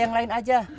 yang lain aja